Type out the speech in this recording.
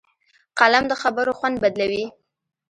قلم د خبرو خوند بدلوي